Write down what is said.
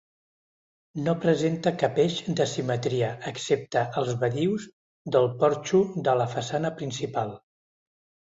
No presenta cap eix de simetria excepte als badius del porxo de la façana principal.